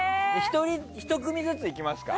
１組ずついきますか。